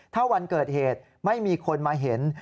ถ้าวันเกิดเหตุไม่มีคนมาเห็น